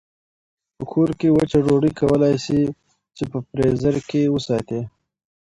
په کور کې وچه ډوډۍ کولای شئ چې په فریزر کې وساتئ.